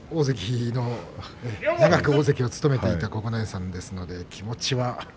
やはり長く大関を務めていた九重さんですので気持ちは。